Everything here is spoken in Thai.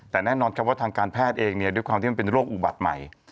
แต่แน่นอนครับว่าทางการแพทย์เองเนี่ยด้วยความที่มันเป็นโรคอุบัติใหม่